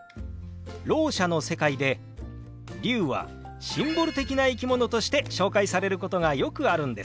ろう者の世界で龍はシンボル的な生き物として紹介されることがよくあるんです。